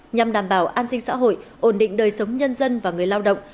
nhằm đảm bảo an sinh xã hội ổn định đời sống nhân dân và người lao động